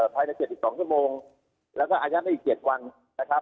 ภายใน๗๒ชั่วโมงแล้วก็อายัดได้อีก๗วันนะครับ